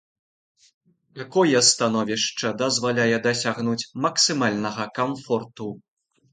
Такое становішча дазваляе дасягнуць максімальнага камфорту.